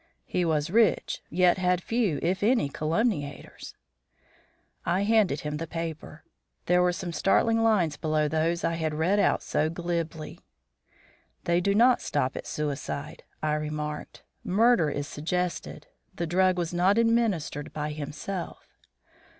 "He was rich; yet had few if any calumniators." I handed him the paper. There were some startling lines below those I had read out so glibly. "They do not stop at suicide," I remarked; "murder is suggested. The drug was not administered by himself."